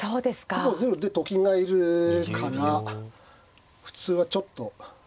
ほぼゼロでと金がいるから普通はちょっと。